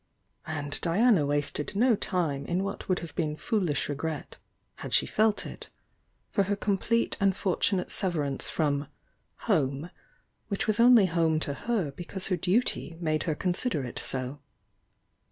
And Diana wasted no time in what would have been fool ish regret, had she felt it, for her complete and for tunate severance from "home" which was only home to her because her duty made her consider it so.